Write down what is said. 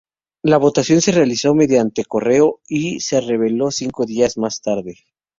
La votación se realizó mediante correo, y se reveló cinco días más tarde.